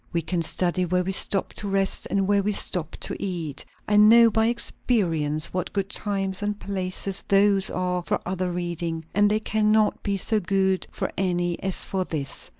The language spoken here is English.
We can study where we stop to rest and where we stop to eat; I know by experience what good times and places those are for other reading; and they cannot be so good for any as for this."